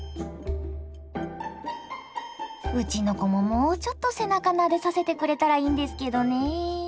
うちの子ももうちょっと背中なでさせてくれたらいいんですけどねえ。